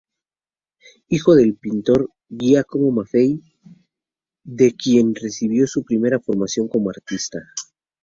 Hijo del pintor Giacomo Maffei, de quien recibió su primera formación como artista.